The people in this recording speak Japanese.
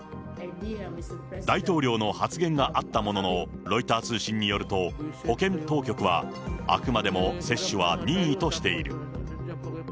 大統領の発言があったものの、ロイター通信によると、保健当局は、あくまでも接種は任意としている。